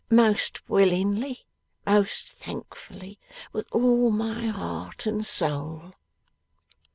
Most willingly, most thankfully, with all my heart and soul.